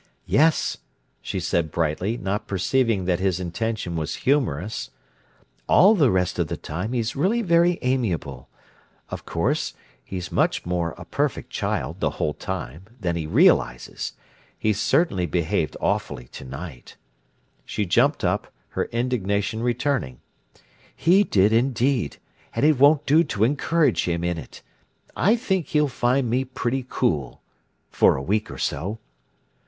"Yes," she said brightly, not perceiving that his intention was humorous. "All the rest of the time he's really very amiable. Of course, he's much more a perfect child, the whole time, than he realizes! He certainly behaved awfully to night." She jumped up, her indignation returning. "He did, indeed, and it won't do to encourage him in it. I think he'll find me pretty cool—for a week or so!"